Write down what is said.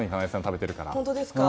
本当ですか？